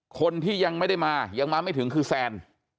คนที่ยังไม่ได้มายังมาไม่ถึงคือแซน